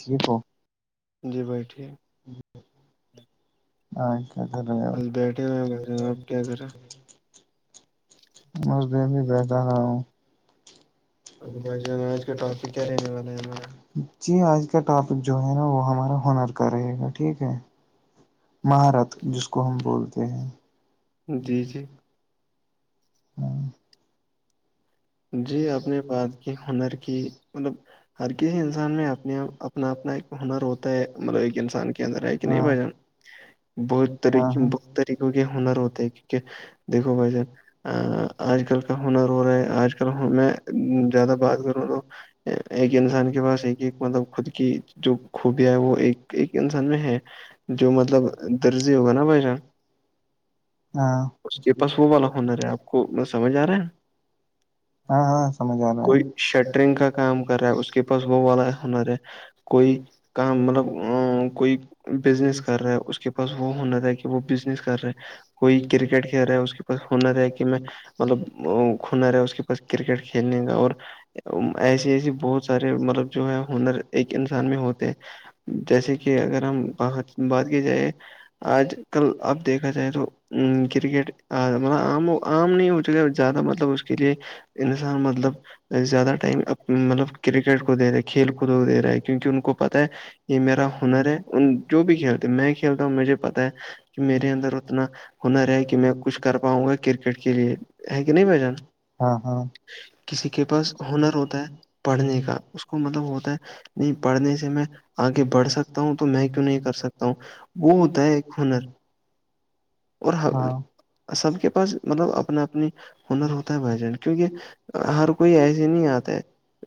جھ تو جی بیٹھیے جی ہاں بیٹھے ہوئے ہیں گ آپ کیا کریں [inaudible] جی آج کا ٹاپک جو ہے نا وہ ہمارا ہنر کا رہے گا ٹھیک ہے مہارت جس کو ہم بولتے ہیں جی آپ نے بات کی ہنر کی مطلب ہر کسی انسان میں اپنے اپنا اپنا ایک ہنر ہوتا ہے مطلب ایک انسان کے اندر ہے کہ نہیں ب جان بہت طریقے بہت طریقوں کے ہنر ہوتے ہیں کیونکہ دیکو بھ جن آج کل کا ہنر ہو رہا ہے آجل ہ میں زیادہ بات کروں تو ایک انسان کے پاس ایک ایک مطلب خود کی جو خوبیاں ہے وہ ایک ایک انسان میں ہے جو مطلب درزی ہوگا نا بھائیشان اس کے پاس وہ والا ہنر ہے آپ کو سمجھ آ رہا ہے ہاں ہاں کوئی شٹرنگ کا کام کر رہا ہے اس کے پاس وہ والا ہنر ہے کوئی کام مطلب کوئی بزنس کر رہا ہے اس کے پاس وہ ہنر ہے کہ وہ بزنس کر رہے کوئی کرکٹ کھیل رہا ہے اس کے پاس ہونار ہے کہ میں مطلب کنا رہ ہے اس کے پاس بس کرکٹ کھیلنے کاا اور ایسی ایس بہت سارے مطلب جو ہے ہنر ایک انسان میں ہوتے ہیں جیسے کہ اگر ہم بات کی جائے آج کل اب دیکھا جائے تو ا کرکٹ مطلب عام نہیں ہو چکے زیادہ مطلب اس کے لیے انسان مطلب زیادہ ٹائم مطلب کرکٹ کو دے رہا ہے کھیل کود کو دے رہا ہے کیونکہ ان کو پت ہے یہ میرا ہنر ہے ان جو بھی کھیلتے میں کھیلتا ہوں مجھے پتا ہے کہ میرے اندر اتنا ہنر ہے کہ میں کچھ کر پاؤں گا کرکٹ کے لیے ہے کہ نہیں بھ جان ہاں ہاں کسی کے پاس ہنر ہوتا ہے پڑھنے کا اس کو مطلب ہوتا ہے نہیں پڑھنے سے میں آگے بڑھ سکتا ہوں تو میں کیوں نہیں کر سکتا ہوں وہ ہوتا ہے ایک ہنر [unintelligible] اور سب کے پاس مطلب اپنا اپنی ہنر ہوتا ہے بھائی کیونکہ ہر کوئی ایسے نہیں آتا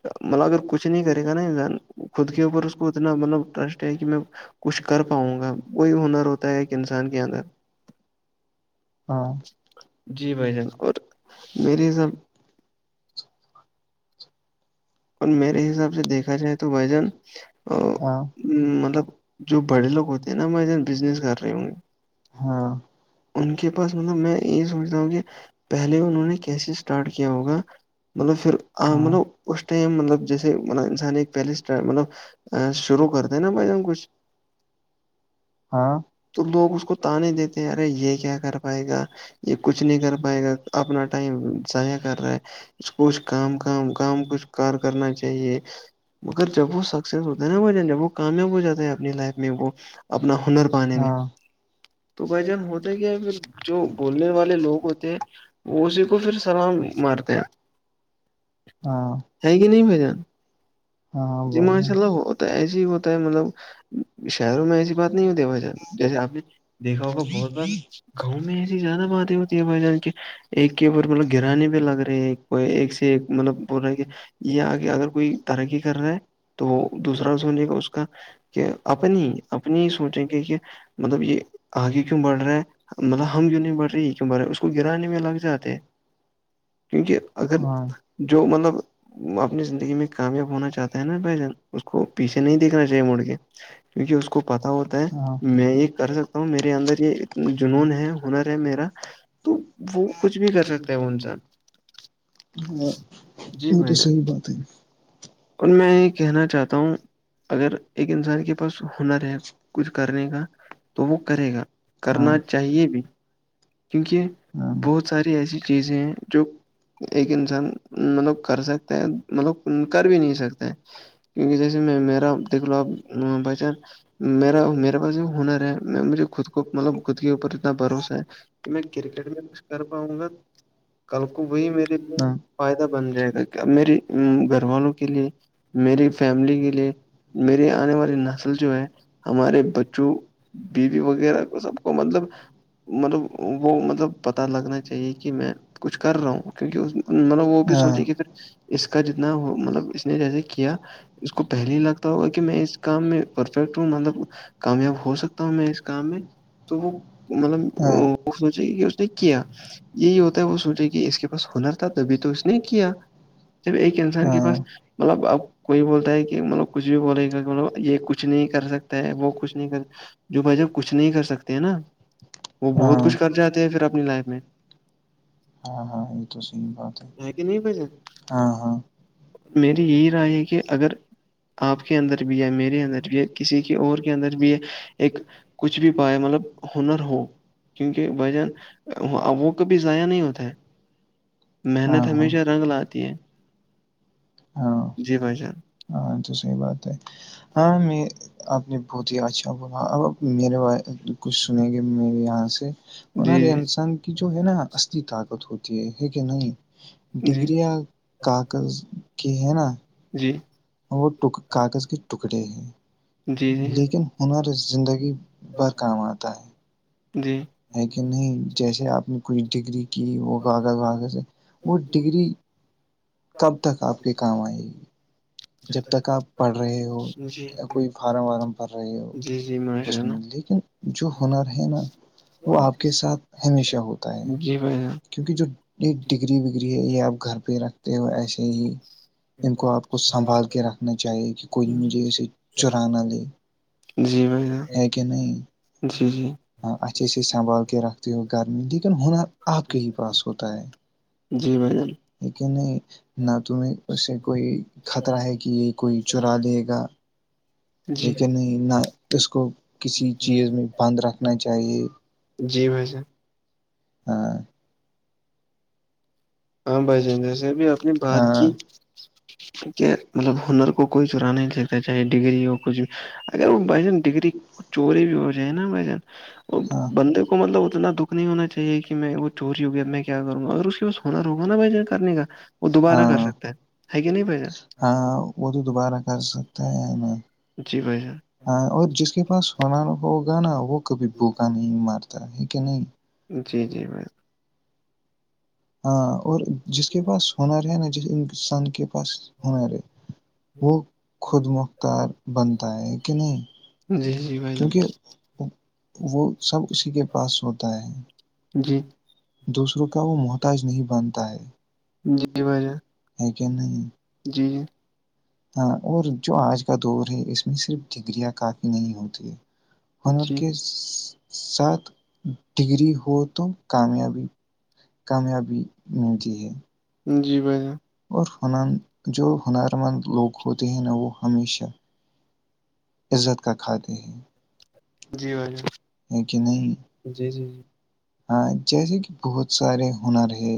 مطلب اگر کچھ نہیں کرے گا نا انسان خود کے اوپر اس کو اتنا مطلب ٹرسٹ ہے کہ میں کچھ کر پاؤں گا کوئی ہنر ہوتا ہے ایک انسان کے اندر [inaudible] جی بھائی جان اور میری حساب اور میرے حساب سے دیکھا جائے تو بھجن ا مطلب جو بڑے لوگ ہوتے ہیں نا میں ا بزنس کر رہی ہوں گی ہاں ان کے پاس مطلب میں یہ سوچتا ہوں کہ پہلے انہوں نے کیسے اسٹارٹ کیا ہوگا مطلب پھر مطلب مطلب جیسے انسان ایک پہلےٹ مطلب شروع کرتے ہیں نا بھائی کچھ ہاں تو لوگ اس کو ت نہیں دیتے ارے یہ کیا کر پائے گا یہ کچھ نہیں کر پائے گا اپنا ٹائم ضائع کر رہا ہے کچھ کام کام کام کچھ کار کرنا چاہیے مگر جب وہ سکسیس ہوتا ہے نا بجن جب وہ کامیاب ہو جاتا ہے اپنی لائف میں وہ اپنا ہنر پانے میں تو بھائی جان ہوتا کیا پھر جو بولنے والے لوگ ہوتے ہیں وہ اسی کو پھر سلام مارتے ہیں ہے کہ نہیں ب جان ج چلو ہوتا ایسے ہی ہوتا ہے مطلب شہروں میں ایسی بات نہیں ہوتی بھائی ج جیسے آپ نے دیکھا ہوگا بہت بار گاؤں میں ایسی زیادہ باتیں ہوتی ہے بھائی جان کی ایک کے اوپر مطلب گرانے بھی لگ رہے ہیں کو ایک سے ایک مطلب ب رہے یہ آگے اگر کوئی ترقی کر رہا ہے تو وہ دوسرا سوجے گا اس کا کہ اپنی اپنی ہی سوچیں کہ کہ مطلب یہ آگے کیوں بڑھ رہا ہے مطلب ہم کیوں نہیں بڑھے یہ کیوں بڑھے ہے اس کو گرانے میں لگ جاتے ہیں کیونکہ اگر جو مطلب اپنی زندگی میں کامیاب ہونا چاہتا ہے نا بھائی جان اس کو پیچھے نہیں دیکھنا چاہیے مڑ کے کیونکہ اس کو پتا ہوتا ہے میں یہ کر سکتا ہوں میرے اندر یہ جنون ہے ہنر ہے میرا تو وہ کچھ بھی کر سکتے ہیں وہ انسان ہ [unintelligible] جی بھائی ج اور میں یہ کہنا چاہتا ہوں اگر ایک انسان کے بس ہنر ہے کچھ کرنے کا تو وہ کرے گا کرنا چاہیے بھی ہاں بت س ایک انسان مطلب کر سکتا ہے مطلب کر بھی نہیں سکتا کیکہ جیسے میرا دیکھ لو ا بچ میرا میرے پاس یہ ہنر ہے میں مجھے خود کو مطلب خود کے اوپر اتنا بھروسہ ہے میں کرکٹ میں کچھ کر پاؤں گا کل کو وہی میرے لیے فائدہ بن جائے گا میے گھر والوں کے لیے میری فملی میںے میرے آئے ہمارے ب بیوی وغیرہ کو سب کو مطلب مطلب وہ مطلب پتا لگنا چاہیے کہ میں کچھ کر رہا ہوں کیونکہ مطلب وہ بھی سوچے کہ پھر اس کا جتنا مطلب اس نے جیسے کیا اس کو پہلے ہی لگتا ہوگا کہ میں اس کام میں پرفیکٹ ہوں مطلب کامیاب ہو سکتا ہوں میں اس کام میں تو وہ مطلب سوچ کہ اس نے کیا یہی ہوتا ہے وہ سوچے کہ اس کے پاس ہنر تھا تبھی تو اس نے کیا ج ایک انسان کے پاس مطلب کوئی بولتا ہے کہ مطلب کچھ بھی بولے گا کہ ملب یہ کچھ نہیں کر سکتا ہے وہ کچھ نہیں کر جو بھائی جب کچھ نہیں کر سکتے ہیں نا وہ بہت کچھ کر ہاں ہاں یہ تو صحی بات ہے ہاں ہاں میری یہی رائے ہے کہ اگر آپ کے اندر بھی ہے میرے اندر بھی ہے کسی کے اور کے اندر بھی ہے ایک کچھ بھی پاائے مطلب ہنر ہو کیونکہ بھجن وہ کبھی ضائع نہیں ہوتا ہے محنت ہمیشہ رنگ لاتی ہے جی بھائی جان ہاں تو صحیح بات ہے ہاں میں آپ نے بہت ہی اچھا بولا اب میرے کچھ سنیں گے میرے یہاں سے انارے انسان کہ جو ہے نا اصلی طاقت ہوتی ہے ہے کہ نہیں ڈگرییاں کاغذ کی ہے نا جی وہ کاغذ کے ٹکڑے ہیں لیکن ہنر زندگی بر کام آتا ہے جی ہے کہ نہیں جیسے آپ نے کوئی ڈگری کی وہ کاغذ واغ سے وہ ڈگری کب تک آپ کے کام آئے گی جب تک آپ پڑھ رہے ہو یا کوئی فارم وارم پڑھ رہے ہو اس میں لیکن جو ہنر ہے نا وہ آپ کے ساتھ ہمیشہ ہوتا ہے کیونکہ جو ایک ڈگری وگری ہے یہ آپ گھر پہ ہی رکھ وہ ایسے ہی ان کو آپ کو سنبھال کے رکھنا چاہیے کہ کوئی مجھے اسے چراانا لے ہے کہ نہیں ہ اچ سنبھال کے رکھ ہو گرمی لیکن ہنر آپ کے ہی پاس ہوتا ہے ایکیک نہیں نہ تمیںس کوئی خطرہ ہے کہ یہ کوئی چرا لے گا لیکن نہیں نہ اس کو کسی چیز میں بند رکھنا چاہیے ہاں ہاں بھائی ج جیسے بھی اپنی بات کی کہ مطلب ہنر کو کوئی چرا نہیں دیکتا چاہے ڈگری ہو کچھ بھی اگر وہ بھ جان ڈگری چوری بھی ہو جائے نا بھ جان ہاں ہونار ہوگا نا بھ جن کرنے کا وہ دوبارہ کر سکتے ہیں ہے کیا نہیں بھ جن ہاں وہ تو دوبارہ کر سکتا ہے ن جی بھائی جان ہاں اور جس کے پاس ہونا ہوگا نا وہ کبھی بوکا نہیں مارتا ہے کہ نہیں جی جی میں ہاں اور جس کے پاس ہنر ہے نا جس انسان کے پاس ہرے وہ خود مختار بنتا ہے کہ نہیں کیونکہ وہ سب اسی کے پاس ہوتا ہے جی [unintelligible] دوسروں کا وہ محتاج نہیں بنتا ہے ہے کیا نہیں جی [unintelligible] ہاں اور جو آج کا دور ہے اس میں صرف ڈگریاں کافی نہیں ہوتی ہے ہنر کے ساتھ ڈگری ہو تو کامیابی کامیابی ملتی ہے [unintelligible] اور ہنر جو ہنرمند لوگ ہوتے ہیں نا وہ ہمیشہ [unintelligible] عزت کا کھاتے ہیں [unintelligible] ہے کہ نہیں [unintelligible] ہاں جیسے کہ بہت سارے ہنر ہے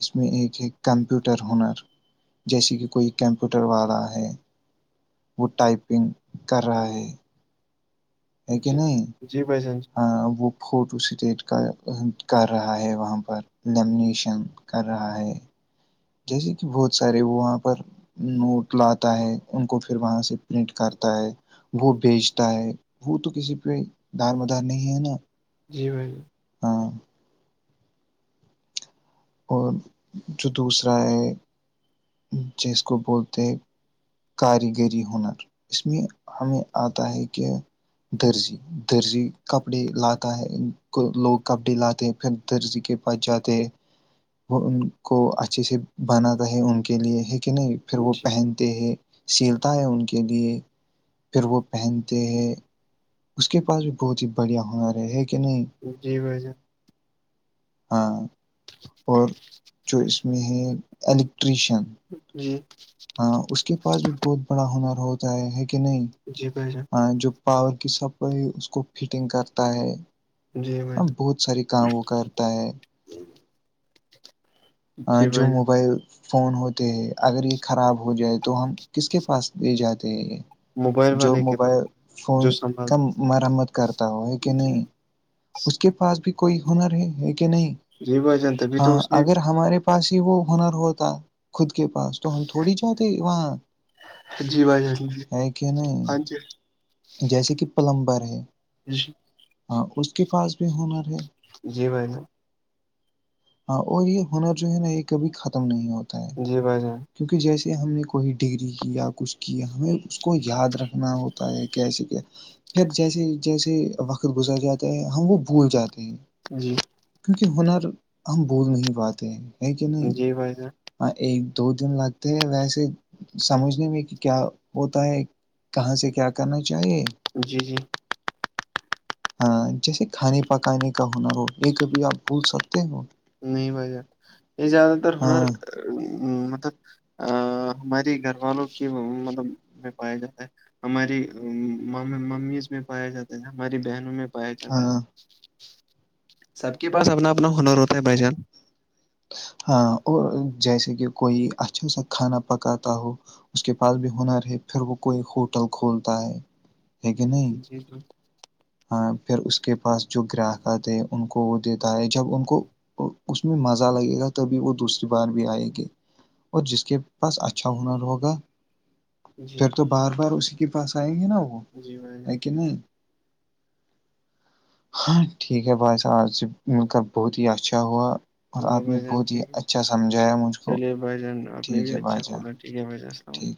اس میں ایک ہے کمپیوٹر ہنر جیسے کہ کوئی کمپیوٹر والا ہے وہ ٹائپنگ کر رہا ہے ایک کہ نہیں وہ فوٹو سٹیٹ کر رہا ہے وہاں پر لیمنیشن [unintelligible] کر رہا ہے [unintelligible] جیسے کہ بہت سارے وہ وہاں پر نوٹ لاتا ہے ان کو پھر وہاں سے پرنٹ کرتا ہے وہ بیچتا ہے وہ تو کسی پہ دار مدار نہیں ہے نا جی بھائی ج ہاں [unintelligible] اور جو دوسرا ہے جس کو بولتے ہیں [unintelligible] کاریگری ہنر اس میں ہمیں آتا ہے کہ درجی درجی کپڑے لاتا ہے لوگ کپ ی لاتے پھر درزی کے پاس جاتے ہیں وہ ان کو اچھے سے بناتا ہے ان کے لیے ہے کہ نہیں پھر وہ پہنتے ہیں سیلتا ہے ان کے لیے پھر وہ پہنتے ہیں اس کے پاس بھی بہت ہی بڑھیا ہونا ہے ہے کہ نہیں جی بھائی جان ہاں [unintelligible] اور جو اس میں ہے الیکٹریشن جی [unintelligible] ہاں اس کے پاس بھی بہت بڑا ہنر ہوتا ہے ہے کہ نہیں ہاں جو پاور کی سب کوئی اس کو فٹنگ کرتا ہے ہ بہت سار کام وہ کرتا ہے [unintelligible] جو موبائل فون ہوتے ہیں اگر یہ خراب ہو جائے تو ہم کس کے پاس لے جاتے ہیں یہ جو موبائل فون کا مرمت کرتا ہو ہے کہ نہیں اس کے پاس بھی کوئی ہنر ہے کہ نہیں ہاں اگر ہم [unintelligible] ہمارے پاس ہی وہ ہنر ہوتا خود کے پاس تو ہم تھوڑی جاتے وہاں ہے کہ نہیں جیسے کہ پلمبر ہے ہاں اس کے پاس بھی ہنر ہے ہاں اور یہ ہنر جو ہے نا یہ کبھی ختم نہیں ہوتا ہے کیونکہ جیسے ہم نے کوئی ڈگری یا کچھ کہ ہمیں اس کو یاد رکھنا ہوتا ہے کیسے کیا پھر جیسے جیسے وقت گزر جاتا ہے ہم وہ بھول جاتے ہیں [unintelligible] جی کیونکہ ہنر ہم بھول نہیں پاتے ہیں ہیں کہ نہیں ہاں ایک دو دن لگتے ہیں ویسے سمجھنے میں کہ کیا ہوتا ہے کہاں سے کیا کرنا چاہیے ہاں جیسے کھانے پکانے کا ہنر ہو یہ کبھی آپ بھول سکتے ہو نہیں بھائی یہ زیادہ تر ہنر مطلب ا ہماری گھر والوں کی مطلب پایا جاتا ہے ہماری ممیز میں پایا جاتا ہے ہماری بہنوں میں ج سب کے پاس اپنا اپنا ہنر ہوتا ہے بھائی جان ہاں اور جیسے کہ کوئی اچھا سا کھانا پکاتا ہو اس کے پاس بھی ہنر ہے پھر وہ کوئی ہوٹل کھولتا ہے ٹھیک ہےی پھر اس کے پاس جو گراہک آ تھ ہیں ان کو وہ دیتا ہے جب ان کو اس میں مزہ لگے گا تبھی وہ دوسری بار بھی آئئے گی اور جس کے بس اچھا ہنر ہوگا پھر تو بار بار اسی کے پاس آئیں گے نا وہ ہے کہ نہیں ہاں ٹھیک ہے بھائی صاحب آج سے م کر بہت ہی اچھا ہوا اور آپ نے بہت ہی اچھا سمجھایا مجھ کو چلیے بھائی جان آپ نے بھی اچھا کھلا ھیک ہےھائی جان السل علیکم